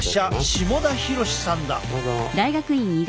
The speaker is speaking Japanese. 下田浩さんだ。